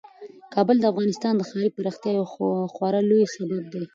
کابل د افغانستان د ښاري پراختیا یو خورا لوی سبب دی.